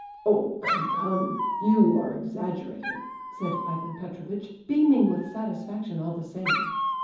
"Oh, come, come! You are exaggerating," said Ivan Petrovitch, beaming with satisfaction, all the same.